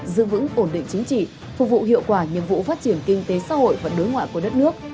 giữ vững ổn định chính trị phục vụ hiệu quả nhiệm vụ phát triển kinh tế xã hội và đối ngoại của đất nước